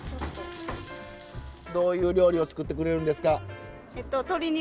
どういう料理を作ってくれるんですか？